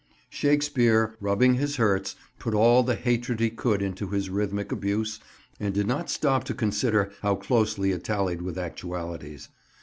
Shakespeare, rubbing his hurts, put all the hatred he could into his rhythmic abuse, and did not stop to consider how closely it tallied with actualities.